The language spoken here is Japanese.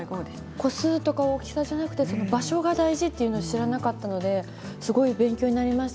個数や大きさではなく場所が大事というのは知らなかったので勉強になりました。